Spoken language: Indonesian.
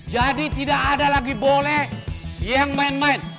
jadi tidak ada lagi boleh yang main main